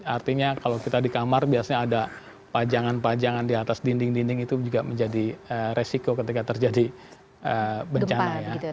artinya kalau kita di kamar biasanya ada pajangan pajangan di atas dinding dinding itu juga menjadi resiko ketika terjadi bencana ya